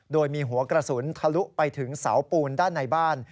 โดยมีหัวกระสุนทะลุไปถึงเสาปูนด้านในบ้าน